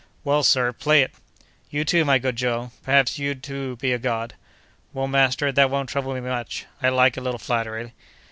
"Well, sir, play it!" "You, too, my good Joe—perhaps you're to be a god!" "Well, master, that won't trouble me much. I like a little flattery!"